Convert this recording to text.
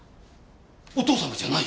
お父様じゃない！？